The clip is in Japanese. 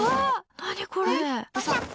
何これ！